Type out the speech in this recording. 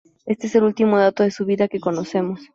Éste es el último dato de su vida que conocemos.